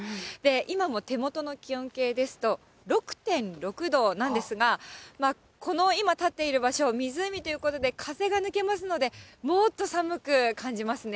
今も手元の気温計ですと、６．６度なんですが、この、今、立っている場所、湖ということで、風が抜けますので、もっと寒く感じますね。